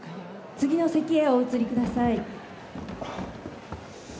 次の席へお移りください